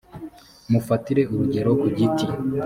mufatire urugero ku giti